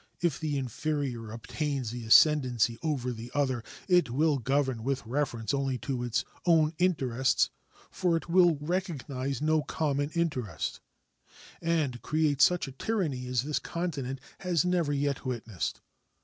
If the inferior obtains the ascendency over the other, it will govern with reference only to its own interests for it will recognize no common interest and create such a tyranny as this continent has never yet witnessed.